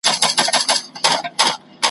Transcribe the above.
ستا له شخصیت څخه خلک